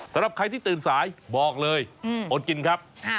สำหรับใครที่ตื่นสายบอกเลยอดกินครับ